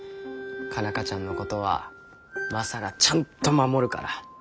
佳奈花ちゃんのことはマサがちゃんと守るから。